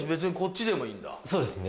そうですね。